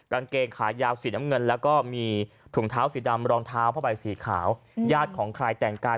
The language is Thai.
กางเกงขายาวสีน้ำเงินแล้วก็มีถุงเท้าสีดำรองเท้าผ้าใบสีขาวญาติของใครแต่งกาย